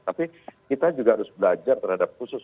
tapi kita juga harus belajar terhadap khusus